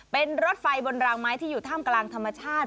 เป็นรถไฟบนรางไม้ที่อยู่ท่ามกลางธรรมชาติ